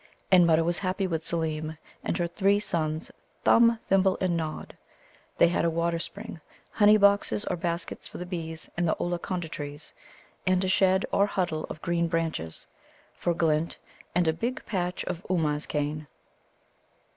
And Mutta was happy with Seelem and her three sons, Thumb, Thimble, and Nod. They had a water spring, honey boxes or baskets for the bees in the Ollaconda trees, a shed or huddle of green branches, for Glint, and a big patch of Ummuz cane.